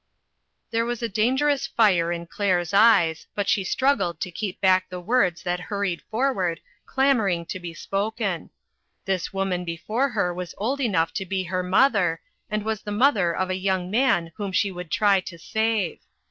There was a dangerous fire in Claire's eyes, but she struggled to keep back the words that hurried forward, clamoring to be spoken. This woman before her was old enough to be her mother, and was the mother of a young man whom she would try to save.